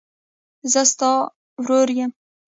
زه ستا ورور یم.